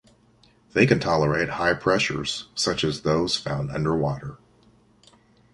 They can tolerate high pressures, such as those found under water.